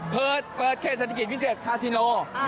เปิดเคสศัตริกิจพิเศษทาซิโน